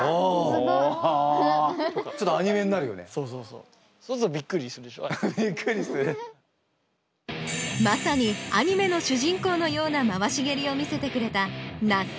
そうするとまさにアニメの主人公のような回し蹴りを見せてくれた那須川天心。